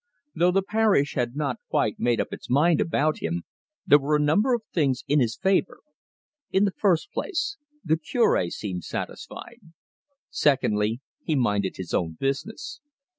Though the parish had not quite made up its mind about him, there were a number of things in his favour. In the first place, the Cure seemed satisfied; secondly, he minded his own business.